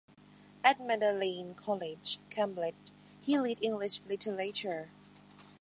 At Magdalene College, Cambridge, he read English Literature.